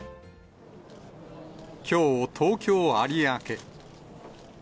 きょう、東京・有明。